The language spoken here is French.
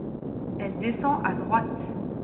Elle descend à droite.